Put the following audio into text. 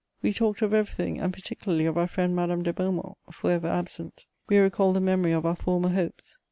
We talked of everything, and particularly of our friend Madame de Beaumont, for ever absent; we recalled the memory of our former hopes.